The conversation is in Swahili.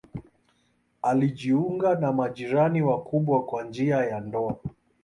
Alijiunga na majirani wakubwa kwa njia ya ndoa.